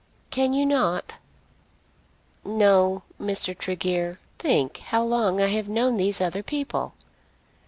"Can you not?" "No, Mr. Tregear. Think how long I have known these other people."